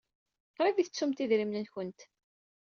Qrib ay tettumt idrimen-nwent.